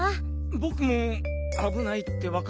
ぼくもあぶないってわかってたはずなのに。